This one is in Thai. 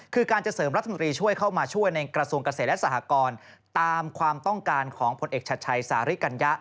คือการจะเสริมรัฐมนตรีช่วยเข้ามาช่วยในกระทรวงเกษตรและสหกรตามความต้องการของผลเอกชัดชัยสาริกัญญะ